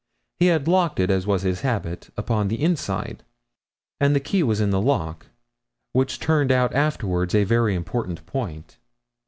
He had locked it, as was his habit, upon the inside, and the key was in the lock, which turned out afterwards a very important point.